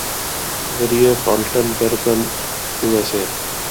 ذریعہ فالٹن پریبن یوایساے